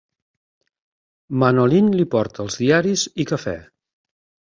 Manolin li porta els diaris i cafè.